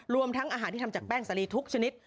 ทั้งอาหารที่ทำจากแป้งสาลีทุกชนิด